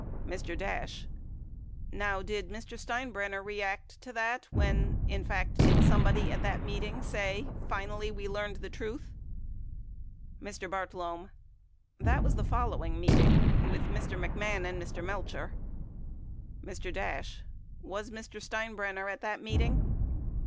Mr. Dash. Now, did Mr. Steinbrenner react to that when — in fact, did somebody at that meeting say, "Finally, we learned the truth" ? Mr. Bartlome. That was the following meeting with Mr. McMahon and Mr. Melcher. Mr. Dash. Was Mr. Steinbrenner at that meeting?